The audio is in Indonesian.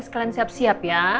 sekalian siap siap ya